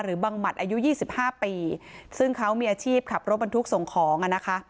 หรือบั้งมัดอายุ๒๕ปีซึ่งเขามีอาชีพขับรถบันทุกข์ส่งของ